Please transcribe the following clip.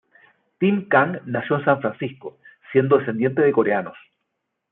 Tim Kang nació en San Francisco, siendo descendiente de coreanos.